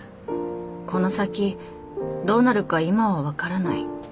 この先どうなるか今は分からない。